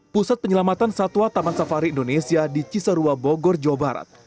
pusat penyelamatan satwa taman safari indonesia di cisarua bogor jawa barat